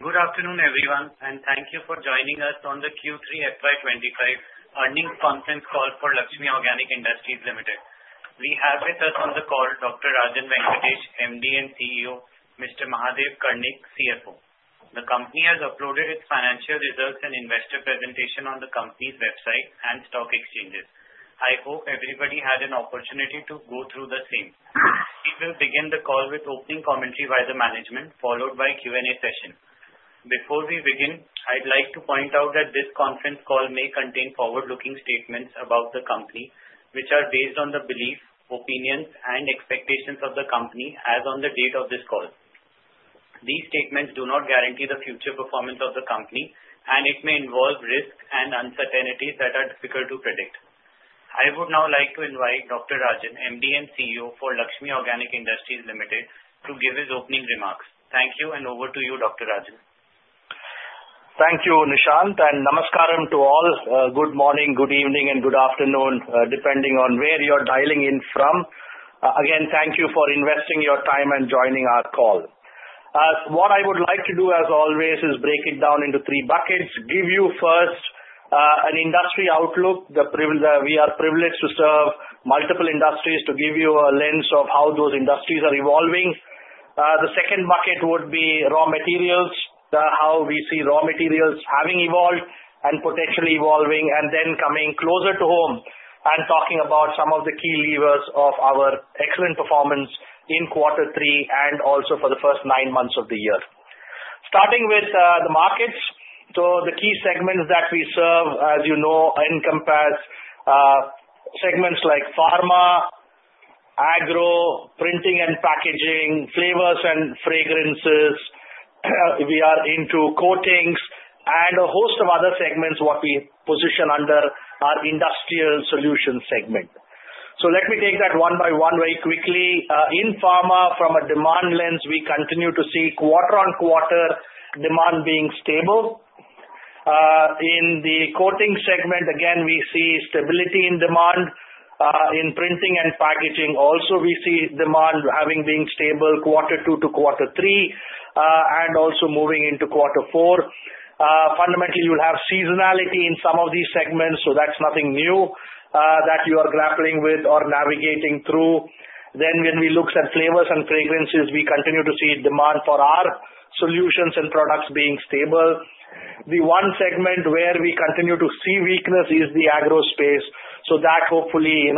Good afternoon, everyone, and thank you for joining us on the Q3 FY 2025 earnings conference call for Laxmi Organic Industries Limited. We have with us on the call Dr. Rajan Venkatesh, MD and CEO; Mr. Mahadeo Karnik, CFO. The company has uploaded its financial results and investor presentation on the company's website and stock exchanges. I hope everybody had an opportunity to go through the same. We will begin the call with opening commentary by the management, followed by a Q&A session. Before we begin, I'd like to point out that this conference call may contain forward-looking statements about the company, which are based on the beliefs, opinions, and expectations of the company as of the date of this call. These statements do not guarantee the future performance of the company, and it may involve risks and uncertainties that are difficult to predict. I would now like to invite Dr. Rajan, MD and CEO for Laxmi Organic Industries Limited, to give his opening remarks. Thank you, and over to you, Dr. Rajan. Thank you, Nishant, and namaskaram to all. Good morning, good evening, and good afternoon, depending on where you're dialing in from. Again, thank you for investing your time and joining our call. What I would like to do, as always, is break it down into three buckets. Give you first an industry outlook. We are privileged to serve multiple industries to give you a lens of how those industries are evolving. The second bucket would be raw materials, how we see raw materials having evolved and potentially evolving, and then coming closer to home and talking about some of the key levers of our excellent performance in Q3 and also for the first nine months of the year. Starting with the markets, so the key segments that we serve, as you know, encompass segments like pharma, agro, printing and packaging, flavors and fragrances. We are into coatings and a host of other segments, what we position under our industrial solutions segment. So let me take that one by one very quickly. In pharma, from a demand lens, we continue to see quarter-on-quarter demand being stable. In the coating segment, again, we see stability in demand. In printing and packaging, also, we see demand having been stable quarter two to quarter three and also moving into quarter four. Fundamentally, you'll have seasonality in some of these segments, so that's nothing new that you are grappling with or navigating through. Then when we look at flavors and fragrances, we continue to see demand for our solutions and products being stable. The one segment where we continue to see weakness is the agro space, so that hopefully,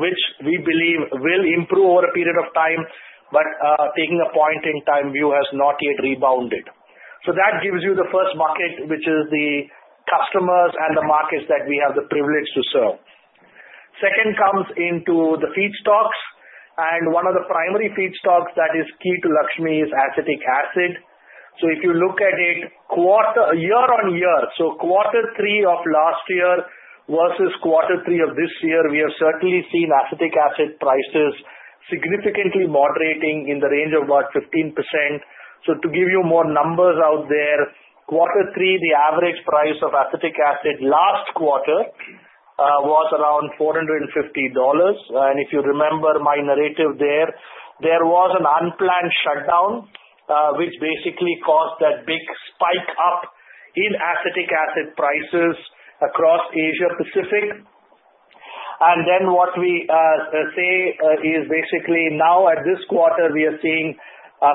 which we believe will improve over a period of time, but taking a point-in-time view has not yet rebounded. So that gives you the first bucket, which is the customers and the markets that we have the privilege to serve. Second comes into the feedstocks, and one of the primary feedstocks that is key to Laxmi is acetic acid. So if you look at it year-on-year, so quarter three of last year versus quarter three of this year, we have certainly seen acetic acid prices significantly moderating in the range of about 15%. So to give you more numbers out there, quarter three, the average price of acetic acid last quarter was around $450. And if you remember my narrative there, there was an unplanned shutdown, which basically caused that big spike up in acetic acid prices across Asia-Pacific. And then what we say is basically now at this quarter, we are seeing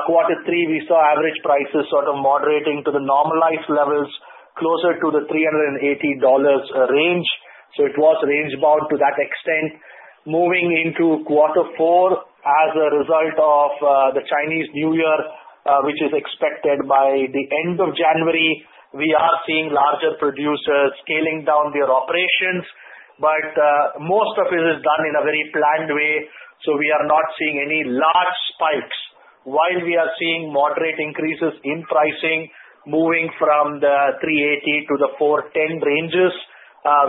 quarter three, we saw average prices sort of moderating to the normalized levels, closer to the $380 range. So it was range-bound to that extent. Moving into quarter four, as a result of the Chinese New Year, which is expected by the end of January, we are seeing larger producers scaling down their operations, but most of it is done in a very planned way. So we are not seeing any large spikes. While we are seeing moderate increases in pricing, moving from the $380-$410 ranges,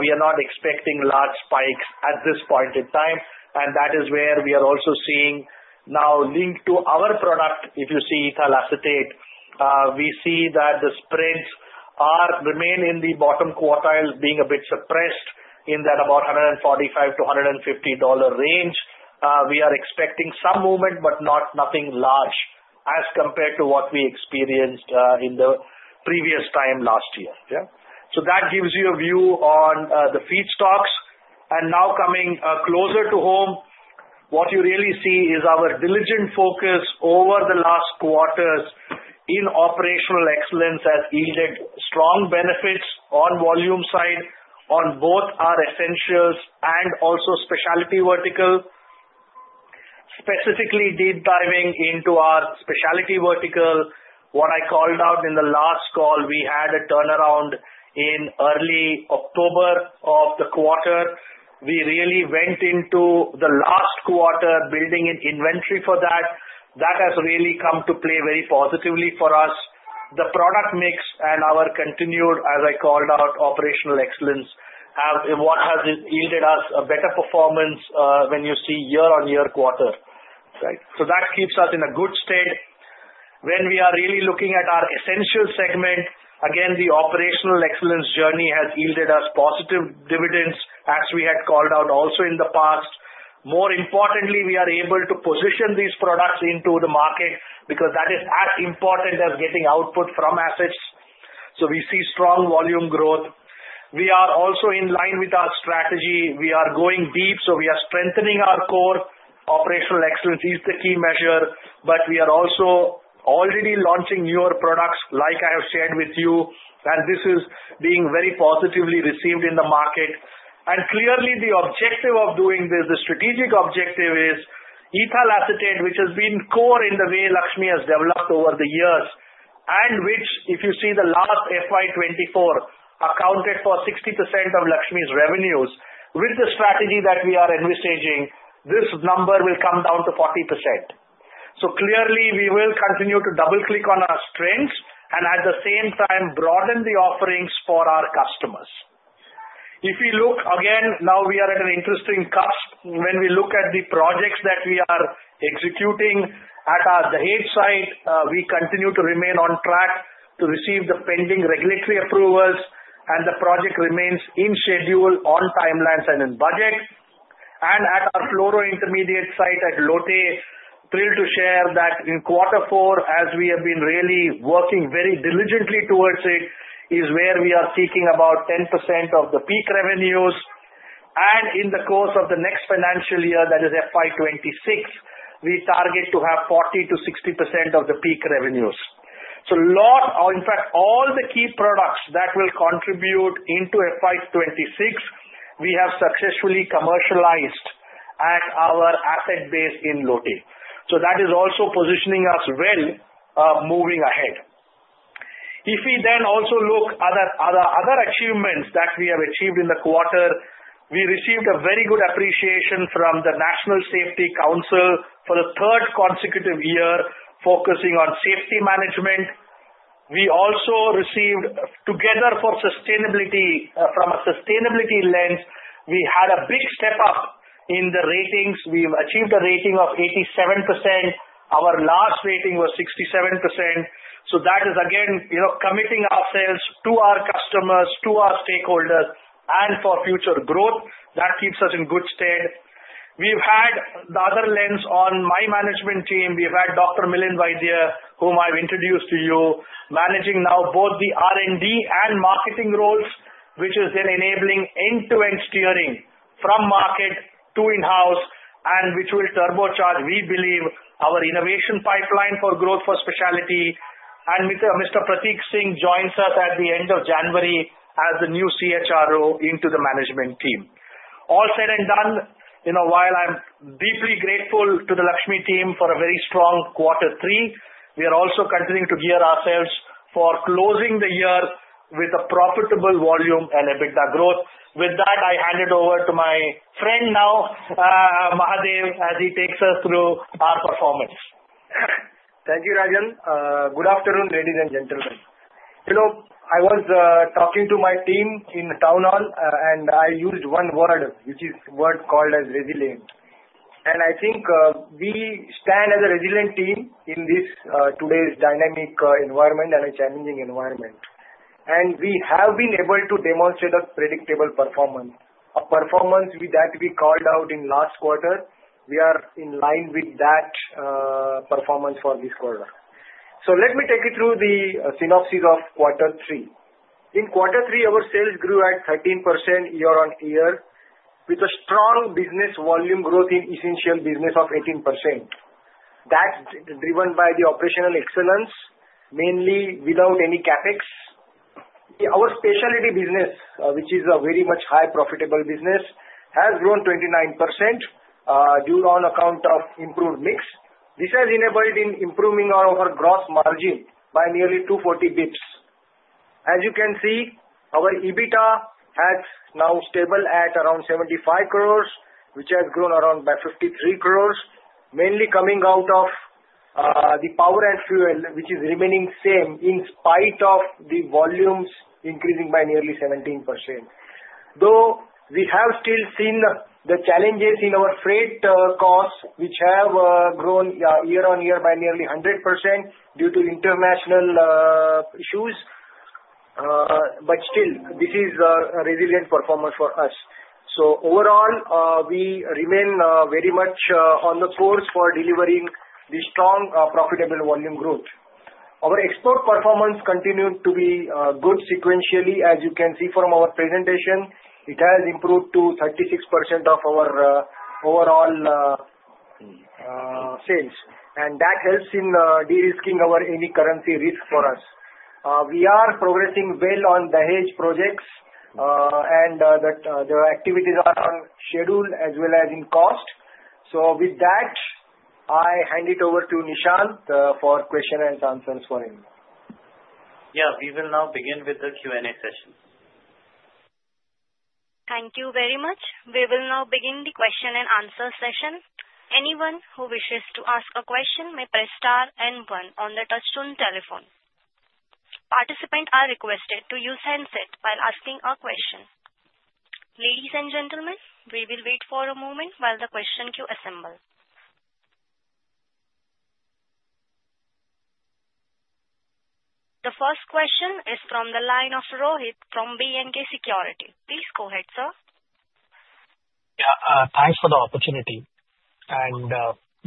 we are not expecting large spikes at this point in time. And that is where we are also seeing now linked to our product, if you see ethyl acetate, we see that the spreads remain in the bottom quartile, being a bit suppressed in that about $145-$150 range. We are expecting some movement, but not nothing large as compared to what we experienced in the previous time last year. So that gives you a view on the feedstocks. And now, coming closer to home, what you really see is our diligent focus over the last quarters in operational excellence has yielded strong benefits on volume side on both our essentials and also specialty vertical. Specifically, deep diving into our specialty vertical, what I called out in the last call, we had a turnaround in early October of the quarter. We really went into the last quarter, building an inventory for that. That has really come to play very positively for us. The product mix and our continued, as I called out, operational excellence have yielded us a better performance when you see year-on-year quarter. So that keeps us in a good state. When we are really looking at our essential segment, again, the operational excellence journey has yielded us positive dividends, as we had called out also in the past. More importantly, we are able to position these products into the market because that is as important as getting output from assets, so we see strong volume growth. We are also in line with our strategy. We are going deep, so we are strengthening our core. Operational excellence is the key measure, but we are also already launching newer products, like I have shared with you, and this is being very positively received in the market, and clearly, the objective of doing this, the strategic objective is ethyl acetate, which has been core in the way Laxmi has developed over the years, and which, if you see the last FY 2024, accounted for 60% of Laxmi's revenues. With the strategy that we are envisaging, this number will come down to 40%. So clearly, we will continue to double-click on our strengths and at the same time broaden the offerings for our customers. If you look again, now we are at an interesting cusp. When we look at the projects that we are executing at the Dahej site, we continue to remain on track to receive the pending regulatory approvals, and the project remains in schedule on timelines and in budget. And at our fluoro intermediate site at Lote, thrilled to share that in quarter four, as we have been really working very diligently towards it, is where we are seeking about 10% of the peak revenues. And in the course of the next financial year, that is FY 2026, we target to have 40%-60% of the peak revenues. So in fact, all the key products that will contribute into FY 2026, we have successfully commercialized at our asset base in Lote. So that is also positioning us well moving ahead. If we then also look at other achievements that we have achieved in the quarter, we received a very good appreciation from the National Safety Council for the third consecutive year, focusing on safety management. We also received from Together for Sustainability. From a sustainability lens, we had a big step up in the ratings. We've achieved a rating of 87%. Our last rating was 67%. So that is, again, committing ourselves to our customers, to our stakeholders, and for future growth. That keeps us in good state. We've had the other lens on my management team. We've had Dr. Milan Vaidya, whom I've introduced to you, managing now both the R&D and marketing roles, which is then enabling end-to-end steering from market to in-house, and which will turbocharge, we believe, our innovation pipeline for growth for specialty. And Mr. Pratik Singh joins us at the end of January as the new CHRO into the management team. All said and done, while I'm deeply grateful to the Laxmi team for a very strong quarter three, we are also continuing to gear ourselves for closing the year with a profitable volume and EBITDA growth. With that, I hand it over to my friend now, Mahadeo, as he takes us through our performance. Thank you, Rajan. Good afternoon, ladies and gentlemen. I was talking to my team in town hall, and I used one word, which is a word called as resilient, and I think we stand as a resilient team in this today's dynamic environment and a challenging environment, and we have been able to demonstrate a predictable performance, a performance that we called out in last quarter. We are in line with that performance for this quarter, so let me take you through the synopsis of quarter three. In quarter three, our sales grew at 13% year-on-year, with a strong business volume growth in essential business of 18%. That's driven by the operational excellence, mainly without any CapEx. Our specialty business, which is a very much high profitable business, has grown 29% due on account of improved mix. This has enabled improving our gross margin by nearly 240 basis points. As you can see, our EBITDA has now stable at around 75 crores, which has grown around by 53 crores, mainly coming out of the power and fuel, which is remaining same in spite of the volumes increasing by nearly 17%. Though we have still seen the challenges in our freight costs, which have grown year-on-year by nearly 100% due to international issues, but still, this is a resilient performance for us. Overall, we remain very much on the course for delivering the strong profitable volume growth. Our export performance continued to be good sequentially. As you can see from our presentation, it has improved to 36% of our overall sales, and that helps in de-risking our any currency risk for us. We are progressing well on the Dahej projects, and the activities are on schedule as well as in cost. So with that, I hand it over to Nishant for questions and answers for him. Yeah, we will now begin with the Q&A session. Thank you very much. We will now begin the question and answer session. Anyone who wishes to ask a question may press star and one on the touch-tone telephone. Participants are requested to use handset while asking a question. Ladies and gentlemen, we will wait for a moment while the question queue assembles. The first question is from the line of Rohit from B&K Securities. Please go ahead, sir. Yeah, thanks for the opportunity. And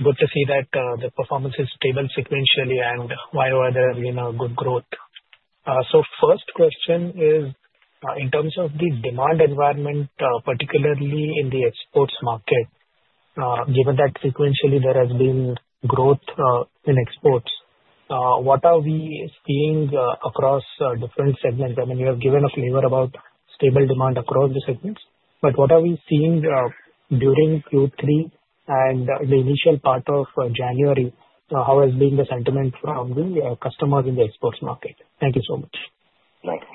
good to see that the performance is stable sequentially and while we're there in a good growth. So, first question is in terms of the demand environment, particularly in the exports market, given that sequentially there has been growth in exports, what are we seeing across different segments? I mean, you have given a flavor about stable demand across the segments, but what are we seeing during Q3 and the initial part of January? How has been the sentiment from the customers in the exports market? Thank you so much. Thanks.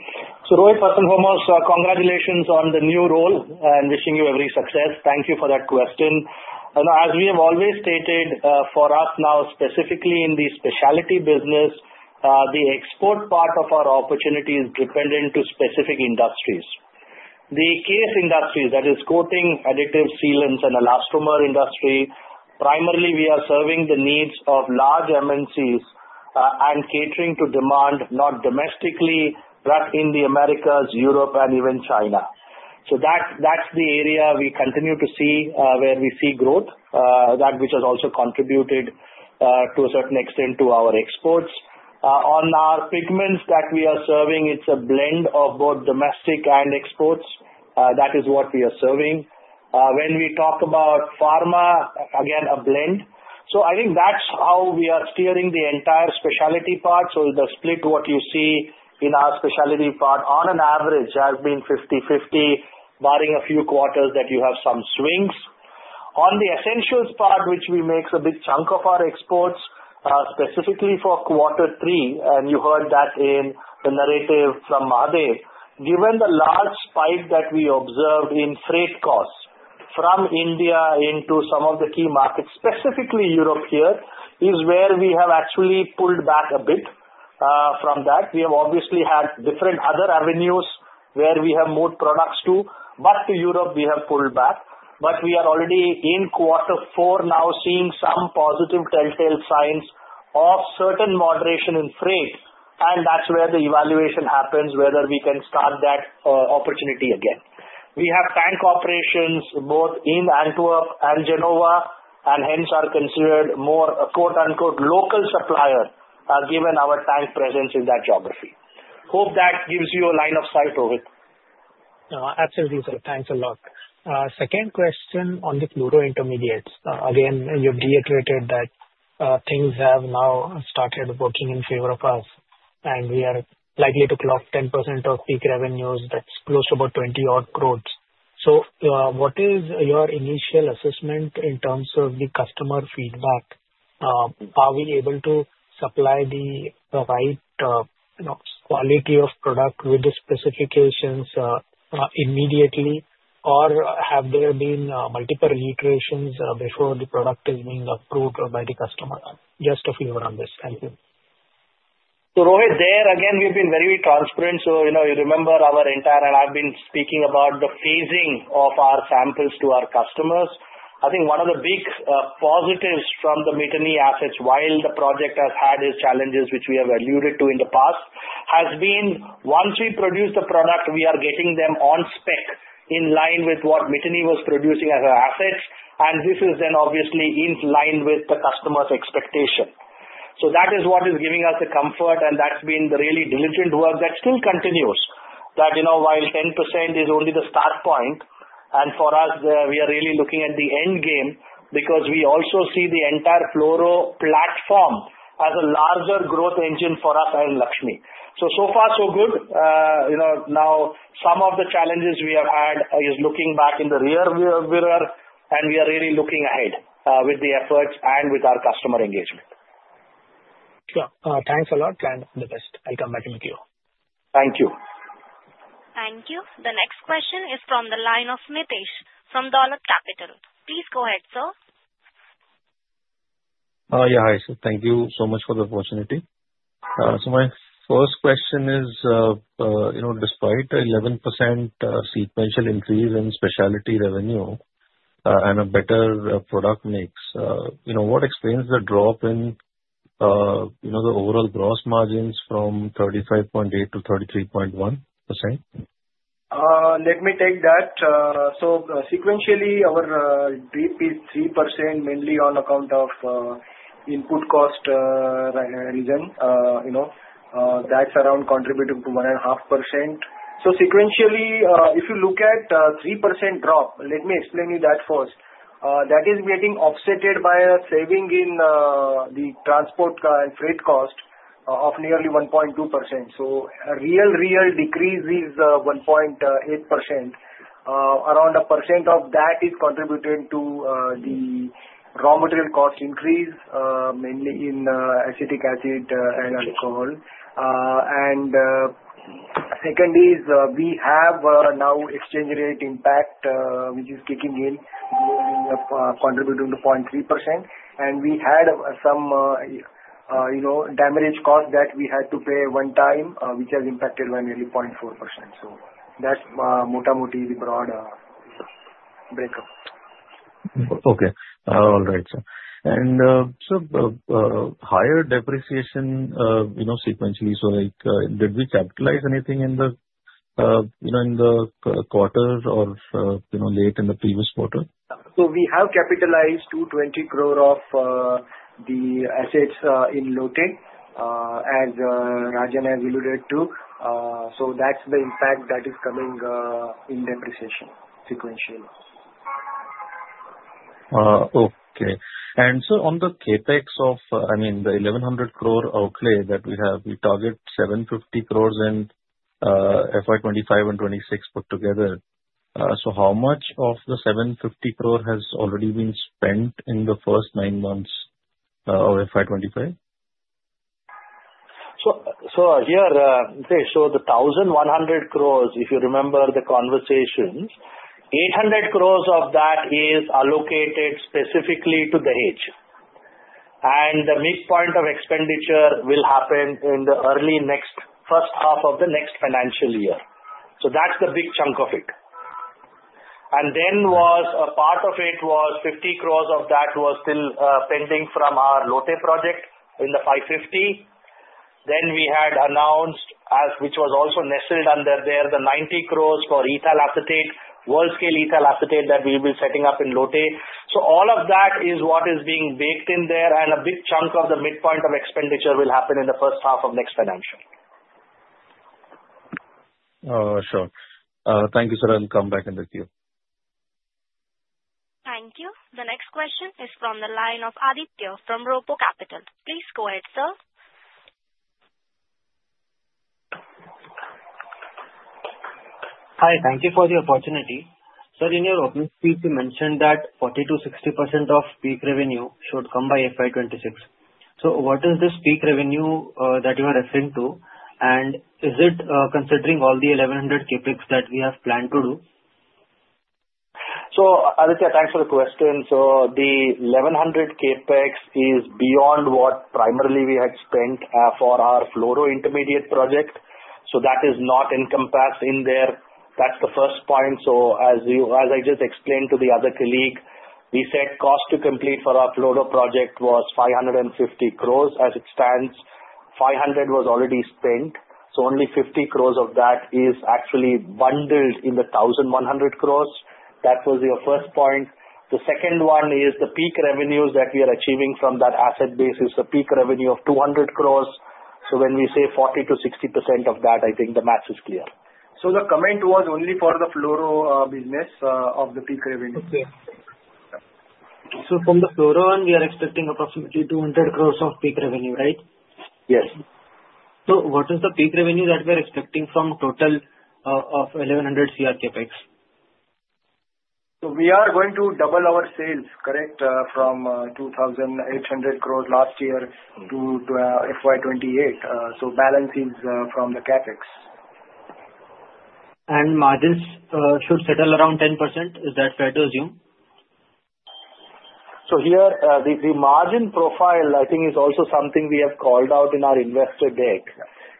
So Rohit, congratulations on the new role and wishing you every success. Thank you for that question. As we have always stated, for us now, specifically in the specialty business, the export part of our opportunity is dependent to specific industries. The key industries, that is, coating, additives, sealants, and elastomer industry; primarily we are serving the needs of large MNCs and catering to demand not domestically, but in the Americas, Europe, and even China. So that's the area we continue to see where we see growth, that which has also contributed to a certain extent to our exports. On our pigments that we are serving, it's a blend of both domestic and exports. That is what we are serving. When we talk about pharma, again, a blend. So I think that's how we are steering the entire specialty part. So the split what you see in our specialty part on an average has been 50/50, barring a few quarters that you have some swings. On the essentials part, which we make a big chunk of our exports, specifically for quarter three, and you heard that in the narrative from Mahadeo, given the large spike that we observed in freight costs from India into some of the key markets, specifically Europe here, is where we have actually pulled back a bit from that. We have obviously had different other avenues where we have moved products to, but to Europe we have pulled back. But we are already in quarter four now seeing some positive telltale signs of certain moderation in freight, and that's where the evaluation happens, whether we can start that opportunity again. We have tank operations both in Antwerp and Genoa, and hence are considered more "local supplier" given our tank presence in that geography. Hope that gives you a line of sight, Rohit. Absolutely, sir. Thanks a lot. Second question on the fluoro intermediates. Again, you have reiterated that things have now started working in favor of us, and we are likely to clock 10% of peak revenues. That's close to about 20-odd crores. So what is your initial assessment in terms of the customer feedback? Are we able to supply the right quality of product with the specifications immediately, or have there been multiple reiterations before the product is being approved by the customer? Just a few on this. Thank you. So Rohit, there again, we've been very transparent. So you remember our entire, and I've been speaking about the phasing of our samples to our customers. I think one of the big positives from the Miteni assets, while the project has had its challenges, which we have alluded to in the past, has been once we produce the product, we are getting them on spec in line with what Miteni was producing as our assets, and this is then obviously in line with the customer's expectation. So that is what is giving us the comfort, and that's been the really diligent work that still continues. That while 10% is only the start point, and for us, we are really looking at the end game because we also see the entire fluoro platform as a larger growth engine for us and Laxmi. So so far, so good. Now, some of the challenges we have had is looking back in the rear view mirror, and we are really looking ahead with the efforts and with our customer engagement. Sure. Thanks a lot, and the best. I'll come back to the queue. Thank you. Thank you. The next question is from the line of Mitesh from Dolat Capital. Please go ahead, sir. Yeah, hi. So thank you so much for the opportunity. So my first question is, despite 11% sequential increase in specialty revenue and a better product mix, what explains the drop in the overall gross margins from 35.8% to 33.1%? Let me take that. So sequentially, our dip is 3%, mainly on account of input cost reason. That's around contributing to 1.5%. So sequentially, if you look at a 3% drop, let me explain to you that first. That is getting offset by saving in the transport and freight cost of nearly 1.2%. So a real, real decrease is 1.8%. Around 1% of that is contributed to the raw material cost increase, mainly in acetic acid and alcohol. And second is, we have now exchange rate impact, which is kicking in, contributing to 0.3%. And we had some damage cost that we had to pay one time, which has impacted by nearly 0.4%. So that's motamoti the broad breakup. Okay. All right, sir. And so higher depreciation sequentially. So did we capitalize anything in the quarter or late in the previous quarter? We have capitalized to 20 crore of the assets in Lote, as Rajan has alluded to. That's the impact that is coming in depreciation sequentially. Okay. And so on the CapEx of, I mean, the 1,100 crore outlay that we have, we target 750 crores in FY 2025 and FY 2026 put together. So how much of the 750 crore has already been spent in the first nine months of FY 2025? So here, okay, so the 1,100 crores, if you remember the conversations, 800 crores of that is allocated specifically to the Dahej. And the midpoint of expenditure will happen in the early next first half of the next financial year. So that's the big chunk of it. And then was a part of it was 50 crores of that was still pending from our Lote project in the 550. Then we had announced, which was also nestled under there, the 90 crores for ethyl acetate, world-scale ethyl acetate that we will be setting up in Lote. So all of that is what is being baked in there, and a big chunk of the midpoint of expenditure will happen in the first half of next financial. Sure. Thank you, sir. I'll come back in the queue. Thank you. The next question is from the line of Aditya from RoboCapital. Please go ahead, sir. Hi. Thank you for the opportunity. Sir, in your opening speech, you mentioned that 40%-60% of peak revenue should come by FY 2026. So what is this peak revenue that you are referring to? And is it considering all the 1,100 CapEx that we have planned to do? So Aditya, thanks for the question. So the 1,100 CapEx is beyond what primarily we had spent for our fluoro intermediate project. So that is not encompassed in there. That's the first point. So as I just explained to the other colleague, we said cost to complete for our fluoro project was 550 crores as it stands. 500 was already spent. So only 50 crores of that is actually bundled in the 1,100 crores. That was your first point. The second one is the peak revenues that we are achieving from that asset base is a peak revenue of 200 crores. So when we say 40%-60% of that, I think the math is clear. So the comment was only for the fluoro business of the peak revenue. Okay. So from the fluoro one, we are expecting approximately 200 crores of peak revenue, right? Yes. So what is the peak revenue that we are expecting from total of 1,100 CR CapEx? So we are going to double our sales, correct, from 2,800 crores last year to FY 2028. So balance is from the CapEx. Margins should settle around 10%. Is that fair to assume? So here, the margin profile, I think, is also something we have called out in our investor deck.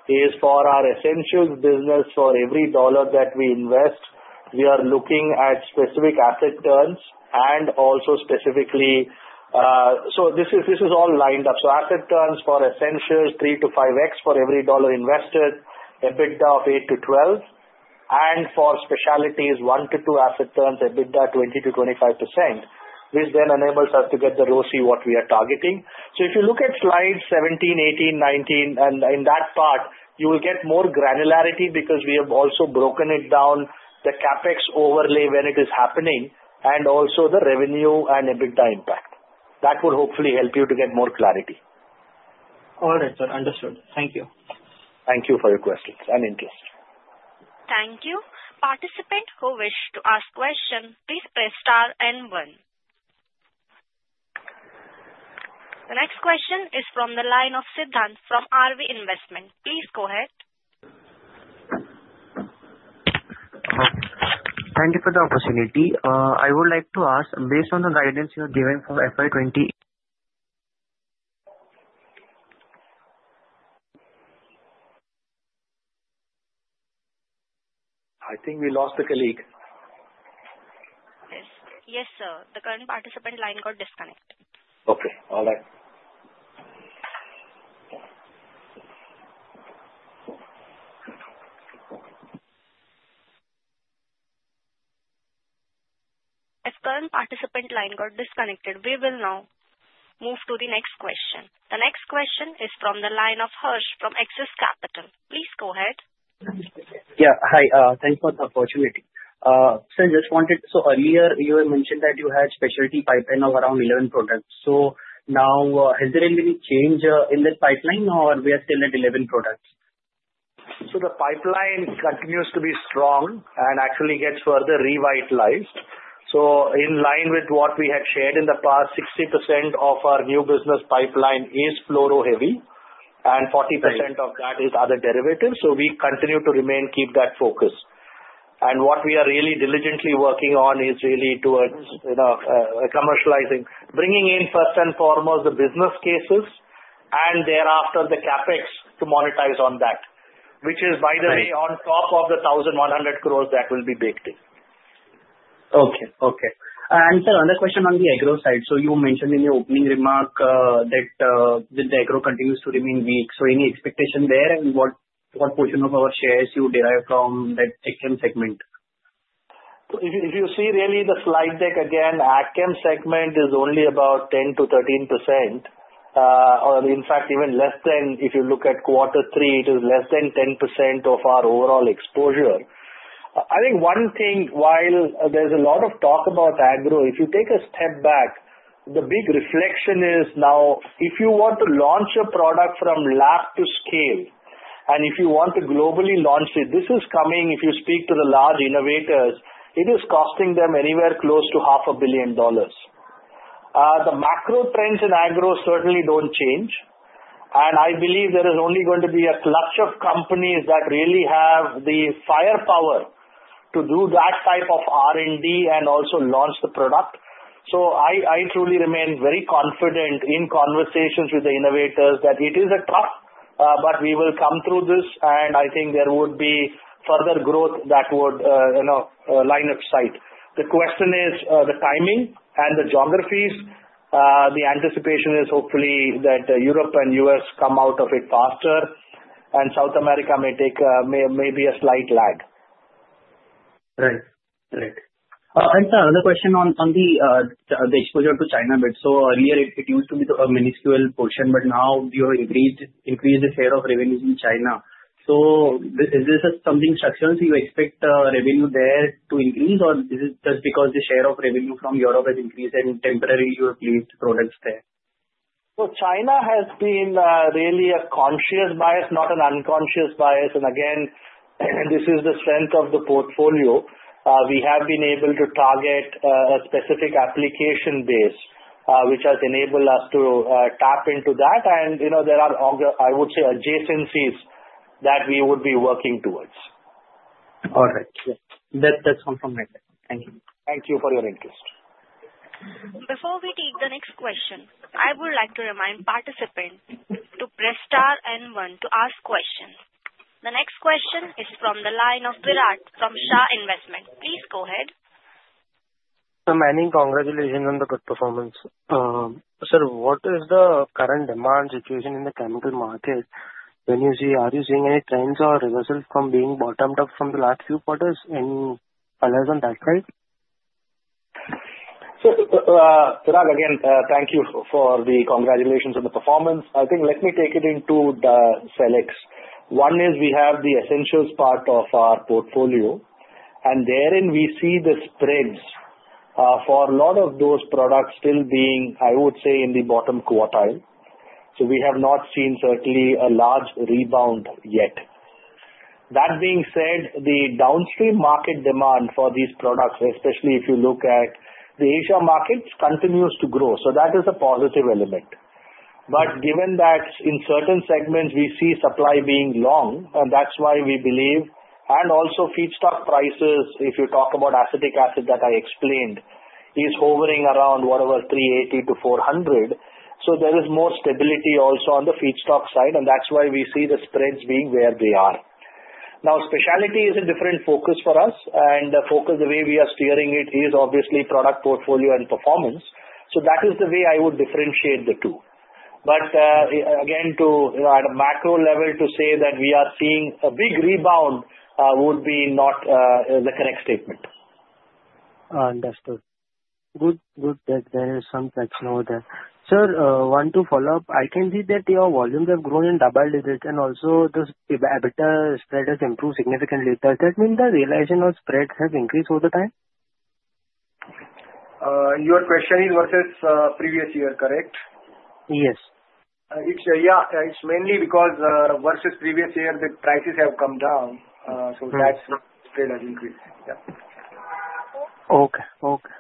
It is for our essentials business. For every dollar that we invest, we are looking at specific asset turns and also specifically so this is all lined up. So asset turns for essentials, 3x-5x for every dollar invested, EBITDA of 8-12. And for specialties, 1-2 asset turns, EBITDA 20-25%, which then enables us to get the ROCE what we are targeting. So if you look at slides 17, 18, 19, and in that part, you will get more granularity because we have also broken it down, the CapEx overlay when it is happening, and also the revenue and EBITDA impact. That will hopefully help you to get more clarity. All right, sir. Understood. Thank you. Thank you for your questions and interest. Thank you. Participant who wished to ask question, please press star and one. The next question is from the line of Siddhant from RV Investment. Please go ahead. Thank you for the opportunity. I would like to ask, based on the guidance you have given for FY20. I think we lost the colleague. Yes, sir. The current participant line got disconnected. Okay. All right. If current participant line got disconnected, we will now move to the next question. The next question is from the line of Harsh from Axis Capital. Please go ahead. Yeah. Hi. Thanks for the opportunity. Sir, just wanted so earlier, you had mentioned that you had specialty pipeline of around 11 products. So now, has there been any change in the pipeline, or we are still at 11 products? So the pipeline continues to be strong and actually gets further revitalized. So in line with what we had shared in the past, 60% of our new business pipeline is fluoro heavy, and 40% of that is other derivatives. So we continue to remain keep that focus. And what we are really diligently working on is really towards commercializing, bringing in first and foremost the business cases and thereafter the CapEx to monetize on that, which is, by the way, on top of the 1,100 crores that will be baked in. Okay. Sir, another question on the agro side. So you mentioned in your opening remark that the agro continues to remain weak. So any expectation there and what portion of our sales we derive from that agchem segment? So if you see really the slide deck again, AgChem segment is only about 10%-13%, or in fact, even less than if you look at quarter three, it is less than 10% of our overall exposure. I think one thing, while there's a lot of talk about agro, if you take a step back, the big reflection is now, if you want to launch a product from lab to scale, and if you want to globally launch it, this is coming, if you speak to the large innovators, it is costing them anywhere close to $500 million. The macro trends in agro certainly don't change. And I believe there is only going to be a clutch of companies that really have the firepower to do that type of R&D and also launch the product. So, I truly remain very confident in conversations with the innovators that it is a tough, but we will come through this, and I think there would be further growth that would line of sight. The question is the timing and the geographies. The anticipation is hopefully that Europe and US come out of it faster, and South America may take maybe a slight lag. Right. Right. And sir, another question on the exposure to China bit. So earlier, it used to be a minuscule portion, but now you have increased the share of revenues in China. So is this something structural? So you expect revenue there to increase, or is it just because the share of revenue from Europe has increased and temporarily you have placed products there? So China has been really a conscious bias, not an unconscious bias. And again, this is the strength of the portfolio. We have been able to target a specific application base, which has enabled us to tap into that. And there are, I would say, adjacencies that we would be working towards. All right. That's all from my side. Thank you. Thank you for your interest. Before we take the next question, I would like to remind participants to press star and one to ask questions. The next question is from the line of Virat from Shah Investment. Please go ahead. Sir, many congratulations on the good performance. Sir, what is the current demand situation in the chemical market? When you see, are you seeing any trends or reversal from being bottomed up from the last few quarters? Any alert on that side? Sir, again, thank you for the congratulations on the performance. I think let me take it into the Selects. One is we have the essentials part of our portfolio, and therein we see the spreads for a lot of those products still being, I would say, in the bottom quartile. So we have not seen certainly a large rebound yet. That being said, the downstream market demand for these products, especially if you look at the Asia markets, continues to grow. So that is a positive element. But given that in certain segments, we see supply being long, and that's why we believe, and also feedstock prices, if you talk about acetic acid that I explained, is hovering around whatever 380-400. So there is more stability also on the feedstock side, and that's why we see the spreads being where they are. Now, specialty is a different focus for us, and the focus, the way we are steering it, is obviously product portfolio and performance. So that is the way I would differentiate the two. But again, at a macro level, to say that we are seeing a big rebound would be not the correct statement. Understood. Good, good. There is some question over there. Sir, one to follow up, I can see that your volumes have grown in double digits, and also the EBITDA spread has improved significantly. Does that mean the realization of spreads have increased over time? Your question is versus previous year, correct? Yes. Yeah. It's mainly because versus previous year, the prices have come down. So that's why the spread has increased. Yeah. Okay. Okay.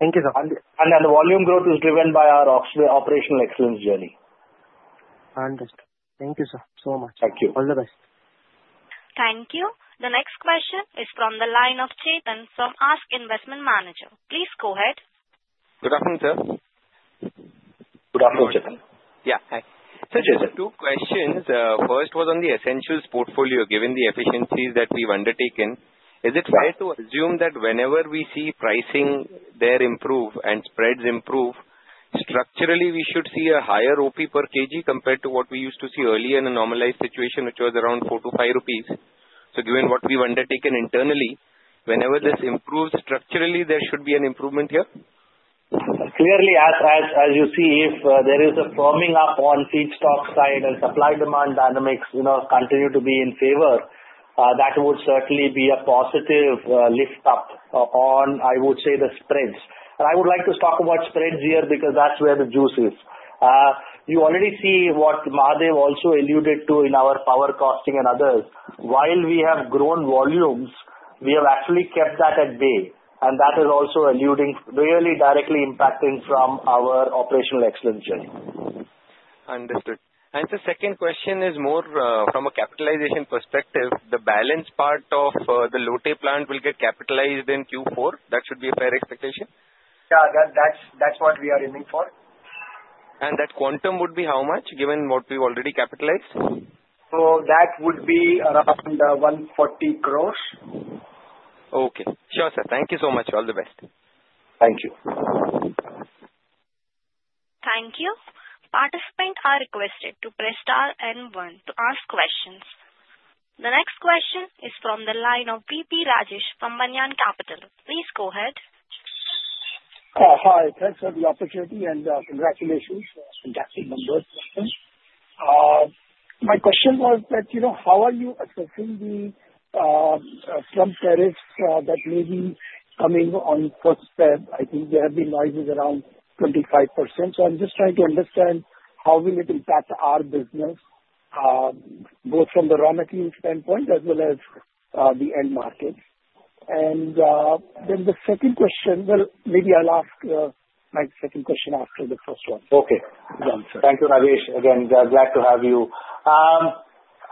Thank you, sir. The volume growth is driven by our operational excellence journey. Understood. Thank you, sir. So much. Thank you. All the best. Thank you. The next question is from the line of Chetan from ASK Investment Managers. Please go ahead. Good afternoon, sir. Good afternoon, Chetan. Yeah. Hi. Sir, just two questions. First was on the essentials portfolio, given the efficiencies that we've undertaken. Is it fair to assume that whenever we see pricing there improve and spreads improve, structurally, we should see a higher OP per kg compared to what we used to see earlier in a normalized situation, which was around four to five rupees? So given what we've undertaken internally, whenever this improves structurally, there should be an improvement here? Clearly, as you see, if there is a firming up on feedstock side and supply-demand dynamics continue to be in favor, that would certainly be a positive lift-up on, I would say, the spreads. And I would like to talk about spreads here because that's where the juice is. You already see what Mahadeo also alluded to in our power costing and others. While we have grown volumes, we have actually kept that at bay. That is also alluding really directly impacting from our operational excellence journey. Understood. And the second question is more from a capitalization perspective. The balance part of the Lote plant will get capitalized in Q4? That should be a fair expectation? Yeah. That's what we are aiming for. That quantum would be how much, given what we've already capitalized? That would be around 140 crores. Okay. Sure, sir. Thank you so much. All the best. Thank you. Thank you. Participants are requested to press star and one to ask questions. The next question is from the line of V.P. Rajesh from Banyan Capital. Please go ahead. Hi. Thanks for the opportunity and congratulations. Fantastic number. My question was that how are you assessing the Trump tariffs that may be coming on first step? I think there have been noises around 25%. So I'm just trying to understand how will it impact our business, both from the raw material standpoint as well as the end market. And then the second question, well, maybe I'll ask my second question after the first one. Okay. Thank you, Rajesh. Again, glad to have you.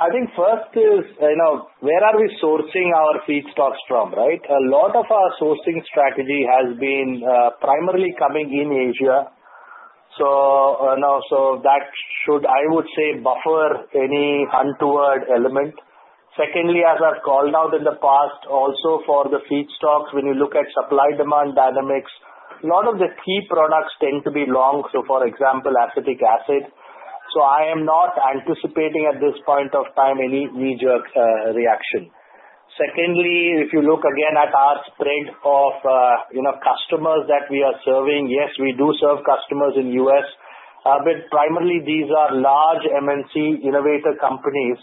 I think first is where are we sourcing our feedstocks from, right? A lot of our sourcing strategy has been primarily coming in Asia. So that should, I would say, buffer any untoward element. Secondly, as I've called out in the past, also for the feedstocks, when you look at supply-demand dynamics, a lot of the key products tend to be long. So for example, acetic acid. So I am not anticipating at this point of time any major reaction. Secondly, if you look again at our spread of customers that we are serving, yes, we do serve customers in the US, but primarily these are large MNC innovator companies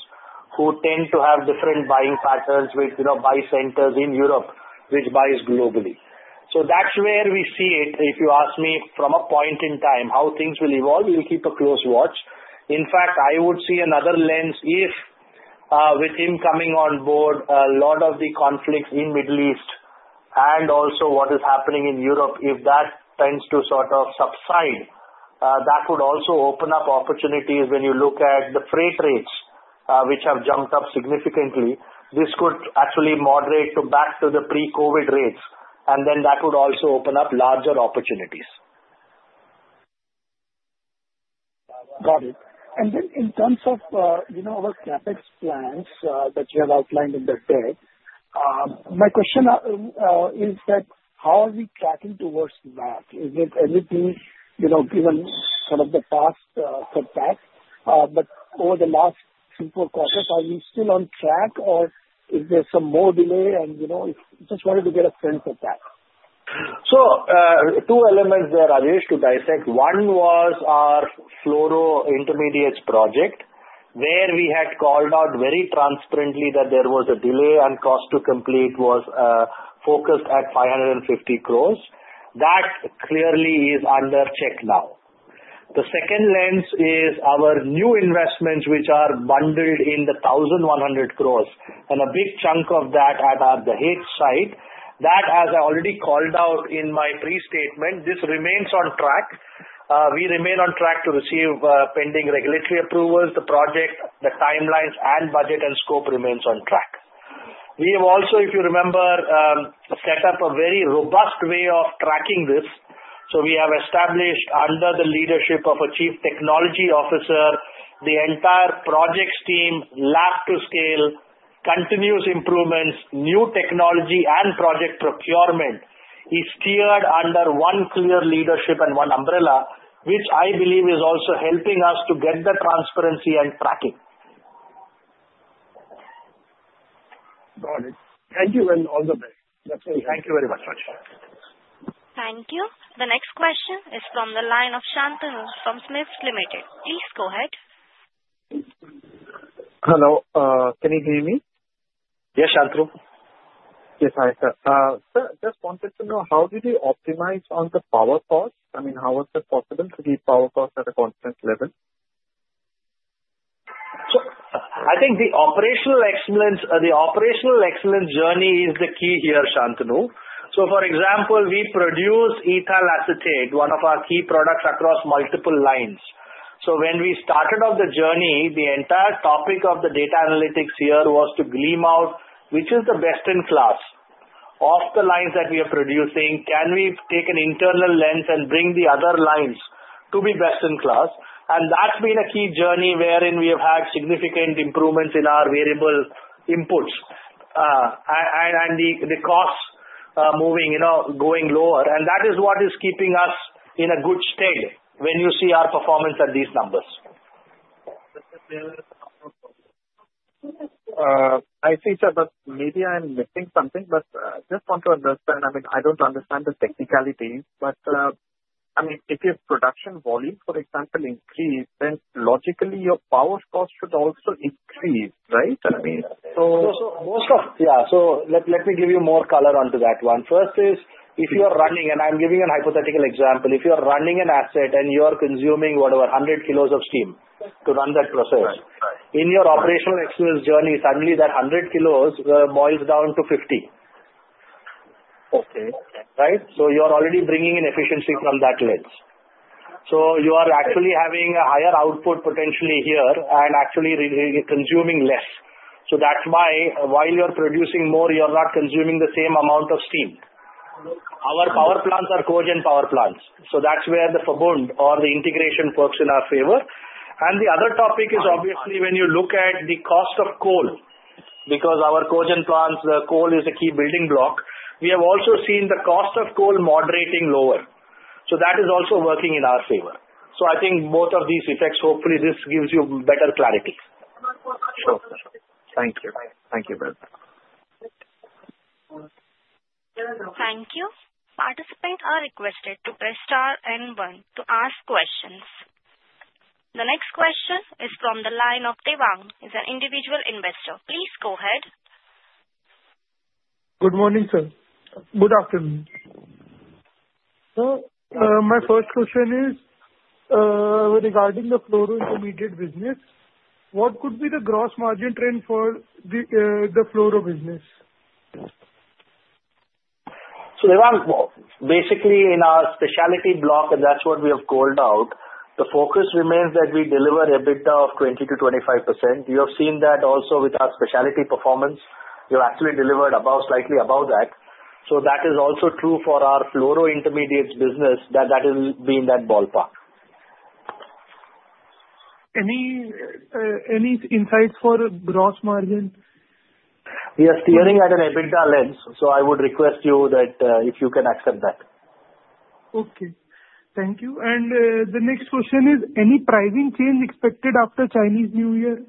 who tend to have different buying patterns with buy centers in Europe, which buys globally. So that's where we see it. If you ask me from a point in time how things will evolve, we'll keep a close watch. In fact, I would see another lens if, with him coming on board, a lot of the conflicts in the Middle East and also what is happening in Europe, if that tends to sort of subside, that would also open up opportunities. When you look at the freight rates, which have jumped up significantly, this could actually moderate back to the pre-COVID rates, and then that would also open up larger opportunities. Got it. And then in terms of our CapEx plans that you have outlined in the deck, my question is that how are we tracking towards that? Is it anything given sort of the past setback? But over the last three or four quarters, are we still on track, or is there some more delay? And I just wanted to get a sense of that. So two elements there, Rajesh, to dissect. One was our fluoro intermediates project, where we had called out very transparently that there was a delay and cost to complete was focused at 550 crores. That clearly is under check now. The second lens is our new investments, which are bundled in the 1,100 crores and a big chunk of that at the Dahej site. That, as I already called out in my pre-statement, this remains on track. We remain on track to receive pending regulatory approvals, the project, the timelines, and budget and scope remains on track. We have also, if you remember, set up a very robust way of tracking this. So, we have established under the leadership of a chief technology officer the entire projects team, lab to scale, continuous improvements, new technology, and project procurement is steered under one clear leadership and one umbrella, which I believe is also helping us to get the transparency and tracking. Got it. Thank you and all the best. That's all. Thank you very much, Rajesh. Thank you. The next question is from the line of Shantanu from SMIFS Limited. Please go ahead. Hello. Can you hear me? Yes, Shantanu. Yes, hi sir. Sir, just wanted to know how did you optimize on the power cost? I mean, how was that possible to keep power costs at a constant level? So, I think the operational excellence journey is the key here, Shantanu. So, for example, we produce ethyl acetate, one of our key products across multiple lines. So, when we started off the journey, the entire topic of the data analytics here was to glean out which is the best in class. Of the lines that we are producing, can we take an internal lens and bring the other lines to be best in class? And that's been a key journey wherein we have had significant improvements in our variable inputs and the costs moving going lower. And that is what is keeping us in a good state when you see our performance at these numbers. I see, sir, but maybe I'm missing something, but I just want to understand. I mean, I don't understand the technicalities, but I mean, if your production volume, for example, increased, then logically your power costs should also increase, right? I mean, so. Yeah. So let me give you more color onto that one. First is if you are running, and I'm giving a hypothetical example. If you are running an asset and you are consuming whatever, 100 kilos of steam to run that process, in your operational excellence journey, suddenly that 100 kilos boils down to 50, right? So, you are already bringing in efficiency from that lens. So, you are actually having a higher output potentially here and actually consuming less. So that's why while you're producing more, you're not consuming the same amount of steam. Our power plants are cogen power plants. So that's where the Verbund or the integration works in our favor. And the other topic is obviously when you look at the cost of coal, because our cogen plants, the coal is a key building block. We have also seen the cost of coal moderating lower. So that is also working in our favor. So, I think both of these effects, hopefully this gives you better clarity. Sure. Thank you. Thank you, brother. Thank you. Participants are requested to press star and one to ask questions. The next question is from the line of Devang, an individual investor. Please go ahead. Good morning, sir. Good afternoon. So my first question is regarding the fluoro intermediate business. What could be the gross margin trend for the fluoro business? So, Devang, basically in our specialty block, and that's what we have called out, the focus remains that we deliver EBITDA of 20%-25%. You have seen that also with our specialty performance. You actually delivered slightly above that. So that is also true for our fluoro intermediates business, that that is in that ballpark. Any insights for gross margin? We are seeing it through an EBITDA lens. So, I would request you that if you can accept that. Okay. Thank you, and the next question is, any pricing change expected after Chinese New Year?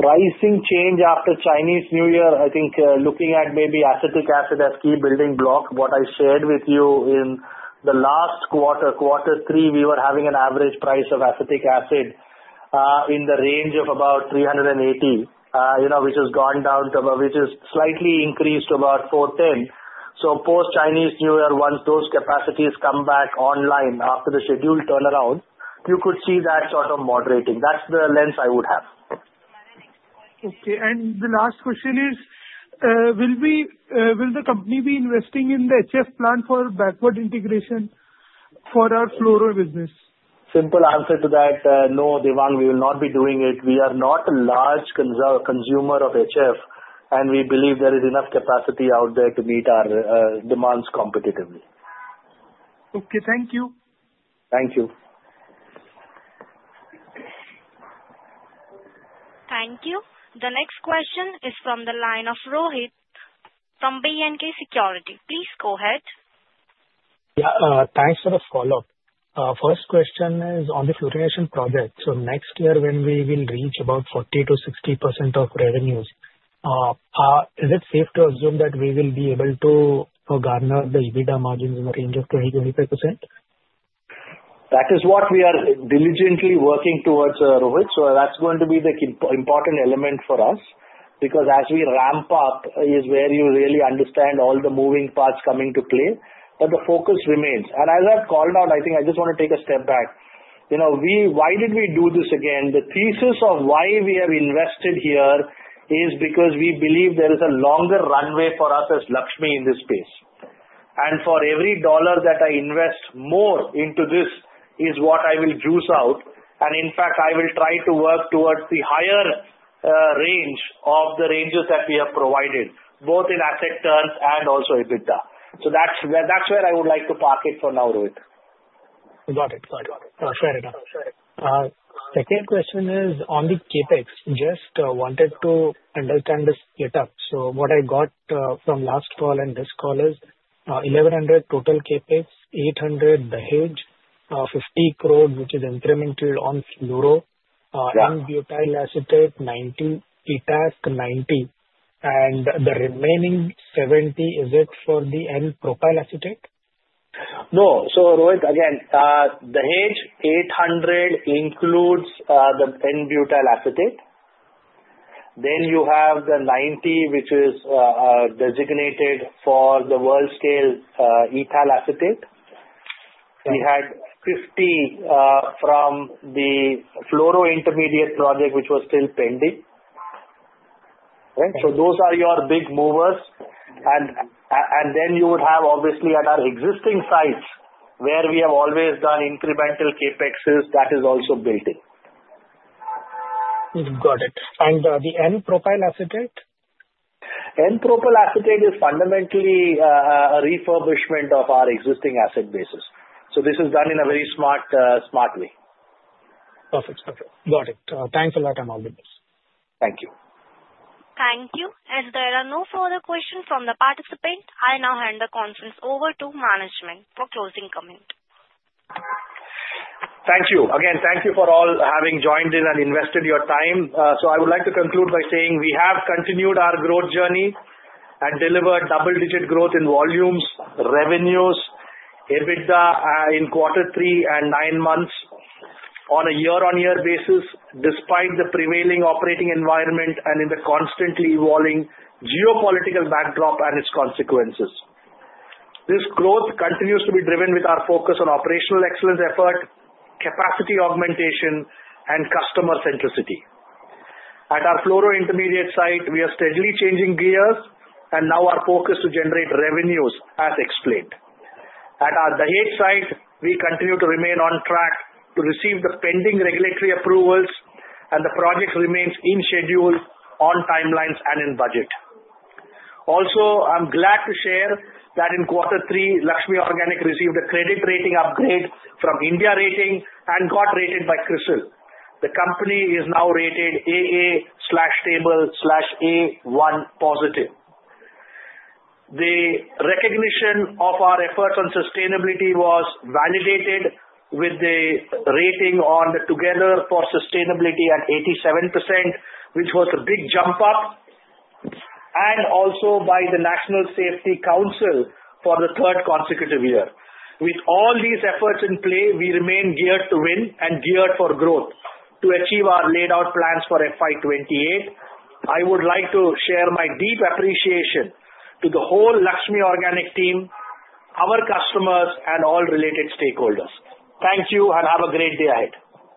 Pricing change after Chinese New Year. I think looking at maybe acetic acid as key building block, what I shared with you in the last quarter, quarter three, we were having an average price of acetic acid in the range of about 380, which has gone down to, which has slightly increased to about 410. So post-Chinese New Year, once those capacities come back online after the scheduled turnaround, you could see that sort of moderating. That's the lens I would have. Okay. And the last question is, will the company be investing in the HF plant for backward integration for our fluoro business? Simple answer to that, no, Devang, we will not be doing it. We are not a large consumer of HF, and we believe there is enough capacity out there to meet our demands competitively. Okay. Thank you. Thank you. Thank you. The next question is from the line of Rohit from B&K Securities. Please go ahead. Yeah. Thanks for the follow-up. First question is on the fluorination project. So next year, when we will reach about 40%-60% of revenues, is it safe to assume that we will be able to garner the EBITDA margins in the range of 20%-25%? That is what we are diligently working towards, Rohit. So that's going to be the important element for us because as we ramp up is where you really understand all the moving parts coming to play. But the focus remains, and as I've called out, I think I just want to take a step back. Why did we do this again? The thesis of why we have invested here is because we believe there is a longer runway for us as Laxmi in this space, and for every dollar that I invest more into this is what I will juice out. In fact, I will try to work towards the higher range of the ranges that we have provided, both in asset terms and also EBITDA. That's where I would like to park it for now, Rohit. Got it. Got it. Fair enough. Second question is on the CapEx. Just wanted to understand the setup. So what I got from last call and this call is 1,100 total CapEx, 800 the H, 50 crore, which is incremental on fluoro, and butyl acetate 90, ETAC 90, and the remaining 70, is it for the N-propyl acetate? No. So Rohit, again, Dahej 800 includes the N-butyl acetate. Then you have the 90, which is designated for the world scale ethyl acetate. We had 50 from the fluoro intermediate project, which was still pending. So those are your big movers. And then you would have obviously at our existing sites, where we have always done incremental CapExes, that is also building. Got it. And the N-propyl acetate? N-propyl acetate is fundamentally a refurbishment of our existing asset basis. So this is done in a very smart way. Perfect. Perfect. Got it. Thanks a lot, and all the best. Thank you. Thank you. As there are no further questions from the participants, I now hand the conference over to management for closing comment. Thank you. Again, thank you for all having joined in and invested your time. So I would like to conclude by saying we have continued our growth journey and delivered double-digit growth in volumes, revenues, EBITDA in quarter three and nine months on a year-on-year basis, despite the prevailing operating environment and in the constantly evolving geopolitical backdrop and its consequences. This growth continues to be driven with our focus on operational excellence effort, capacity augmentation, and customer centricity. At our fluoro intermediate site, we are steadily changing gears, and now our focus to generate revenues as explained. At our Dahej site, we continue to remain on track to receive the pending regulatory approvals, and the project remains on schedule, on timelines, and in budget. Also, I'm glad to share that in quarter three, Laxmi Organic received a credit rating upgrade from India Ratings and got rated by CRISIL. The company is now rated AA/Stable/A1 positive. The recognition of our efforts on sustainability was validated with the rating on the Together for Sustainability at 87%, which was a big jump up, and also by the National Safety Council for the third consecutive year. With all these efforts in play, we remain geared to win and geared for growth to achieve our laid out plans for FY28. I would like to share my deep appreciation to the whole Laxmi Organic team, our customers, and all related stakeholders. Thank you and have a great day ahead.